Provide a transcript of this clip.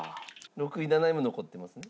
６位７位も残ってますね。